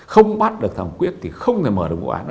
không bắt được thẩm quyết thì không thể mở được vụ án